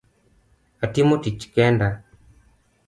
Atimo tich kenda.